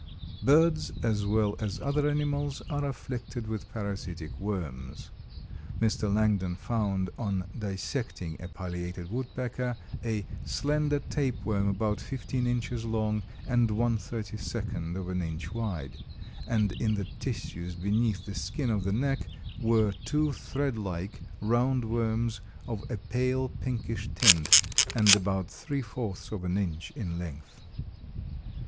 Birds as well as other animals are afflicted with parasitic worms. Mr. Langdon found on dissecting a Pileated Woodpecker, a "slender tape worm about fifteen inches long and one thirty second of an inch wide," and in the tissues beneath the skin of the neck "were two thread like, round worms of a pale pinkish tint and about three fourths of an inch in length."